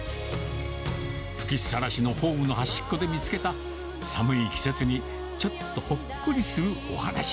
吹きっさらしのホームの端っこで見つけた、寒い季節にちょっとほっこりするお話。